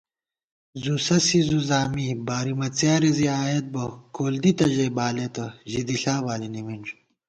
زُوسسِی زُوزامی، بارِمہ څیارےزِی آئیېت بہ * کول دِتہ ژَئی بالېتہ، ژی دِݪا بالی نِمِنݮ